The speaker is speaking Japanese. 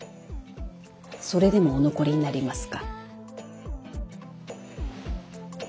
それでもお残りになりますか？